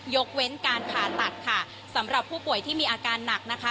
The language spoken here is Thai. ยกเว้นการผ่าตัดค่ะสำหรับผู้ป่วยที่มีอาการหนักนะคะ